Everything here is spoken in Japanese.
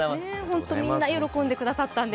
本当にみんな喜んでくださったんで。